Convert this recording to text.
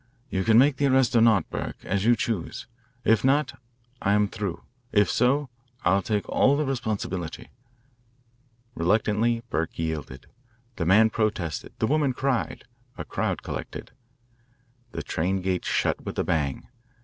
"You can make the arrest or not, Burke, as you choose. If not, I am through. If so I'll take all the responsibility." Reluctantly Burke yielded. The man protested; the woman cried; a crowd collected. The train gate shut with a bang.